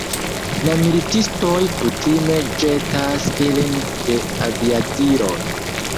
La militistoj kutime ĵetas ilin de aviadiloj.